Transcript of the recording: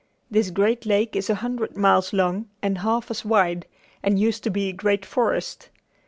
This great lake is a hundred miles long and half as wide, and used to be a great forest.